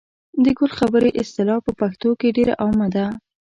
د ګل خبرې اصطلاح په پښتو کې ډېره عامه ده.